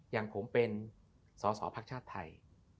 อย่างผมเป็นสอสอภักดิ์ชาติไทย